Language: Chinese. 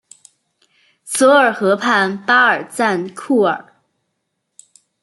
索尔河畔巴尔赞库尔。